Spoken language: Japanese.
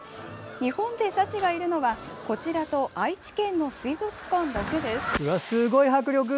日本でシャチがいるのはこちらと愛知県の水族館だけです。